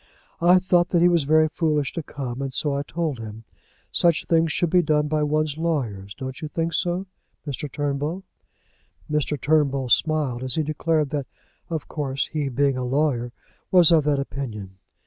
I thought that he was very foolish to come, and so I told him. Such things should be done by one's lawyers. Don't you think so, Mr. Turnbull?" Mr. Turnbull smiled as he declared that, of course, he, being a lawyer, was of that opinion.